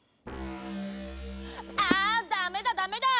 あダメだダメだ！